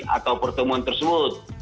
atau pertemuan tersebut